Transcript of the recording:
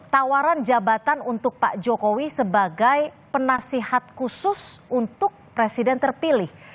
tawaran jabatan untuk pak jokowi sebagai penasihat khusus untuk presiden terpilih